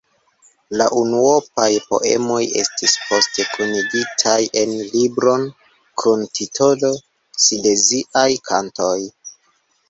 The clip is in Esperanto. La unuopaj poemoj estis poste kunigitaj en libron kun titolo "Sileziaj kantoj".